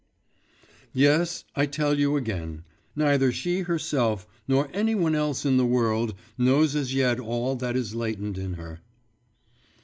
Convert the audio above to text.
… Yes, I tell you again; neither she herself nor any one else in the world knows as yet all that is latent in her.